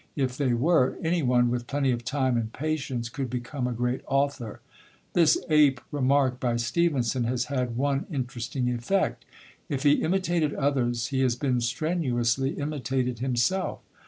If they were, anyone with plenty of time and patience could become a great author. This "ape" remark by Stevenson has had one interesting effect; if he imitated others, he has been strenuously imitated himself.